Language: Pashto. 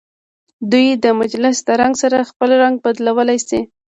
دوی د مجلس د رنګ سره خپل رنګ بدلولی شي.